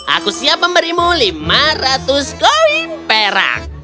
aku siap memberimu lima ratus koin perak